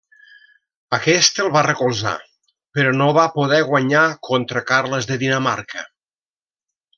Aquest el va recolzar, però no va poder guanyar contra Carles de Dinamarca.